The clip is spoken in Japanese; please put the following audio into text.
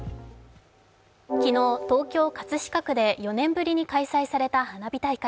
昨日、東京・葛飾区で４年ぶりに開催された花火大会。